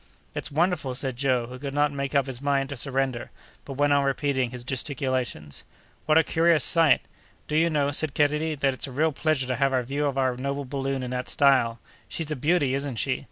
"It's wonderful," said Joe, who could not make up his mind to surrender, but went on repeating his gesticulations. "What a curious sight! Do you know," said Kennedy, "that it's a real pleasure to have a view of our noble balloon in that style? She's a beauty, isn't she?